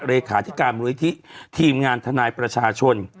เลขาธิการมูลนิธิทีมงานทนายประชาชน